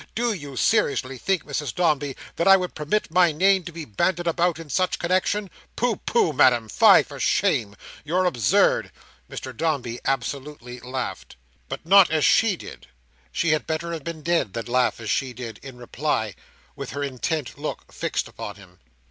Do you seriously think, Mrs Dombey, that I would permit my name to be banded about in such connexion? Pooh, pooh, Madam! Fie for shame! You're absurd." Mr Dombey absolutely laughed. But not as she did. She had better have been dead than laugh as she did, in reply, with her intent look fixed upon him.